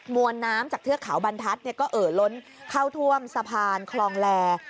วนน้ำจากเทือกเขาบรรทัศน์ก็เอ่อล้นเข้าท่วมสะพานคลองแล